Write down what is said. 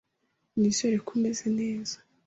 Nizere ko umeze neza.